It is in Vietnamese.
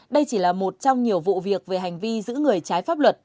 đây chỉ là một trong nhiều vụ việc về hành vi giữ người trái pháp luật